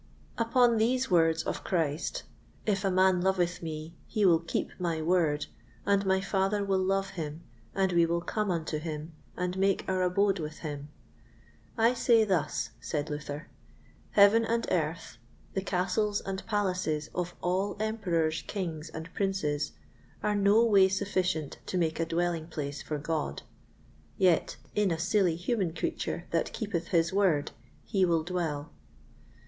Upon these words of Christ, "If a man loveth me, he will keep my Word, and my Father will love him, and we will come unto him, and make our abode with him," I say thus, said Luther: Heaven and earth, the castles and palaces of all Emperors, Kings, and Princes, are no way sufficient to make a dwelling place for God; yet, in a silly human creature that keepeth his Word he will dwell.